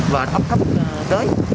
và ốc thấp tới